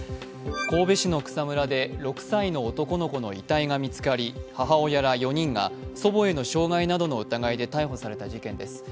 神戸市の草むらで６歳の男の子の遺体が見つかり母親ら４人が祖母への傷害などの疑いで逮捕された事件です。